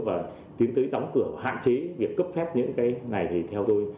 và tiến tới đóng cửa hạn chế việc cấp phép những cái này thì theo tôi